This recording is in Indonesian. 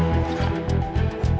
gak akan kecil